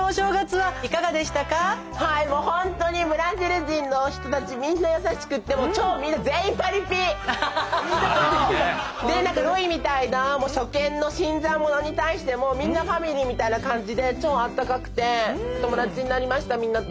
はいもうほんとにブラジル人の人たちみんな優しくってでなんかロイみたいな初見の新参者に対してもみんなファミリーみたいな感じで超あったかくて友達になりましたみんなと。